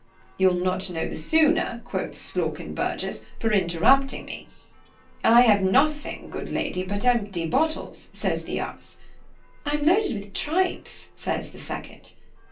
—you'll not know the sooner, quoth Slawkenbergius, for interrupting me—— "I have nothing, good Lady, but empty bottles;' says the asse. "I'm loaded with tripes;" says the second.